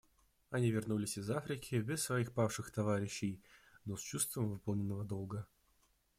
Они вернулись из Африки без своих павших товарищей, но с чувством выполненного долга.